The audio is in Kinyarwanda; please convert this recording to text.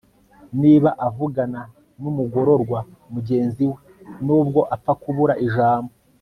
Niba avugana numugororwa mugenzi we nubwo apfa kubura ijambo